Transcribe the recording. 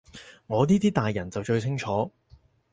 我呢啲大人就最清楚